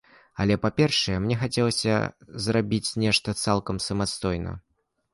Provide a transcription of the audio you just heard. Але, па-першае, мне хацелася зрабіць нешта цалкам самастойна.